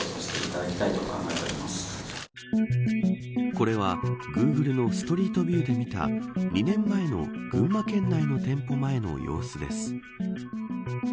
これは、Ｇｏｏｇｌｅのストリートビューで見た２年前の群馬県内の店舗前の様子です。